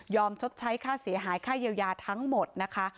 ชดใช้ค่าเสียหายค่าเยียวยาทั้งหมดนะคะ